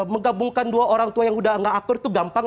menggabungkan dua orang tua yang udah gak atur itu gampang